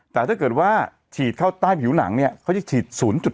แต่ถ้าเกิดว่าฉีดเข้าใต้ผิวหนังเนี่ยเขาจะฉีด๐๘